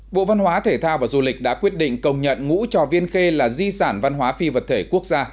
bộ văn hóa thể thao và du lịch đã quyết định công nhận ngũ trò viên khê là di sản văn hóa phi vật thể quốc gia